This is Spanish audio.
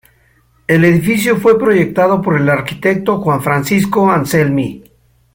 El edificio fue proyectado por el arquitecto Juan Francisco Anselmi.